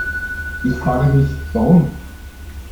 Ich frage mich, warum?